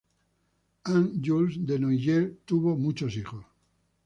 Anne Jules de Noailles tuvo muchos hijos